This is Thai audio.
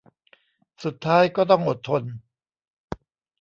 สุดท้ายก็ต้องอดทน